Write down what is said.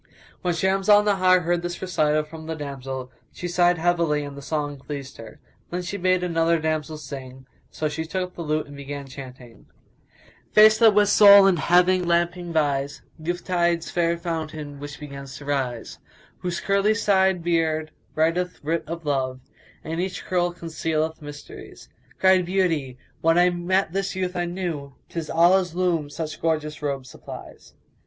When Shams Al Nahar heard this recital from the damsel, she sighed heavily and the song pleased her. Then she bade another damsel sing; so she took the lute and began chanting, "Face that with Sol in Heaven lamping vies; * Youth tide's fair fountain which begins to rise; Whose curly side beard writeth writ of love, * And in each curl concealeth mysteries: Cried Beauty, 'When I met this youth I knew * 'Tis Allah's loom such gorgeous robe supplies.'"